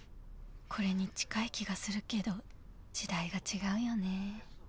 これに近い気がするけど時代が違うよね